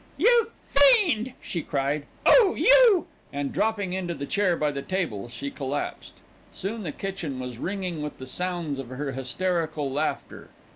"You fiend!" she cried. "Oh, you !" and dropping into the chair by the table she collapsed. Soon the kitchen was ringing with the sounds of her hysterical laughter.